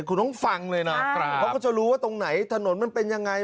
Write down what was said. คุณต้องฟังเลยนะเขาก็จะรู้ว่าตรงไหนถนนมันเป็นยังไง